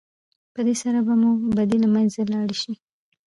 په دې سره به مو بدۍ له منځه لاړې شي.